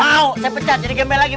mau saya pecat jadi gempe lagi